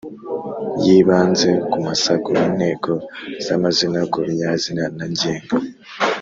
Yibanze ku masaku, inteko z’amazina, ku binyazina na ngenga.